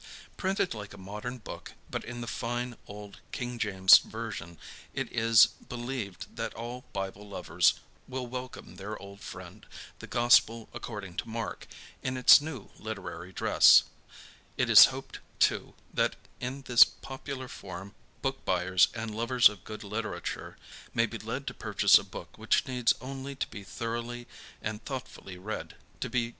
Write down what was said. Printed like a modern book, but in the fine old King James' version, it is believed that all Bible lovers will welcome their old friend, "The Gospel: According to Mark," in its new literary dress; it is hoped, too, that in this popular form book buyers and lovers of good literature may be led to purchase a book which needs only to be thoroughly and thoughtfully read to be greatly reverenced.